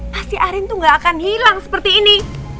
pasti arin tuh ga akan hilang seperti ini